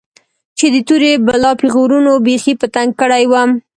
چې د تورې بلا پيغورونو بيخي په تنگ کړى وم.